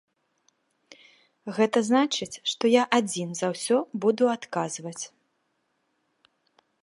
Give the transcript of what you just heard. Гэта значыць, што я адзін за ўсё буду адказваць.